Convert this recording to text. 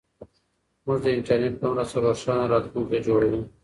موږ د انټرنیټ په مرسته روښانه راتلونکی جوړوو.